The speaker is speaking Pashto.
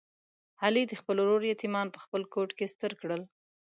علي د خپل ورور یتیمان په خپل کوت کې ستر کړل.